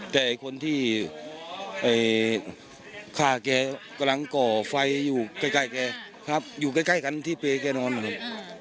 แต่คนที่ฆ่าแกกำลังก่อไฟอยู่ใกล้แกครับอยู่ใกล้กันที่เปย์แกนอนนะครับ